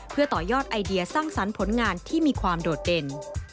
เพื่อต่อยอดไอเดียสร้างสรรค์ผลงานที่มีความโดดเด่น